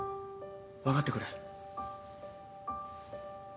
分かってくれ。